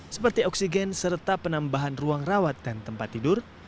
seperti oksigen serta penambahan ruang rawat dan tempat tidur